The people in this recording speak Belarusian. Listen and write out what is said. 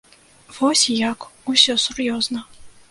Вось як усё сур'ёзна!